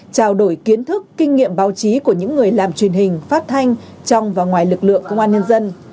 trao đổi kiến thức kinh nghiệm báo chí của những người làm truyền hình phát thanh trong và ngoài lực lượng công an nhân dân